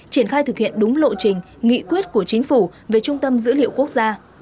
triển khai thực hiện đúng lộ trình nghị quyết của chính phủ về trung tâm dữ liệu quốc gia